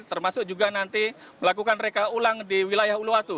termasuk juga nanti melakukan reka ulang di wilayah uluwatu